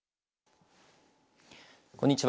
こんにちは。